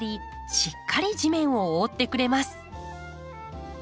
しっかり地面を覆ってくれます。